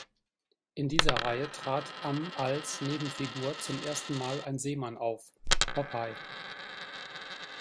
In dieser Reihe trat am als Nebenfigur zum ersten Mal ein Seemann auf: Popeye.